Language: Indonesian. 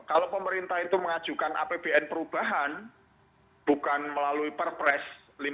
kalau pemerintah itu mengajukan apbn perubahan bukan melalui perpres lima puluh